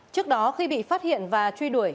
trước đó khi bị phát hiện và truy đuổi